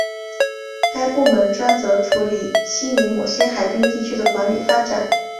该部门专责处理悉尼某些海滨地区的管理发展。